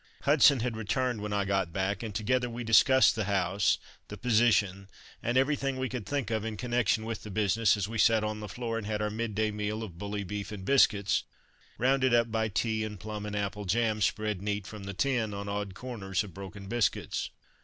Hudson had returned when I got back, and together we discussed the house, the position, and everything we could think of in connection with the business, as we sat on the floor and had our midday meal of bully beef and biscuits, rounded up by tea and plum and apple jam spread neat from the tin on odd corners of broken biscuits.